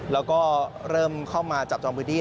แล้วก็เริ่มเข้ามาจับจองพื้นที่